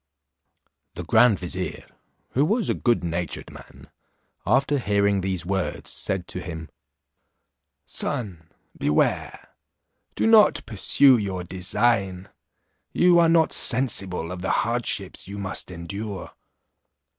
The grand vizier, who was a good natured man, after hearing these words, said to him, "Son, beware; do not pursue your design; you are not sensible of the hardships you must endure.